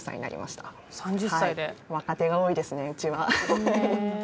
若手が多いですねうちは。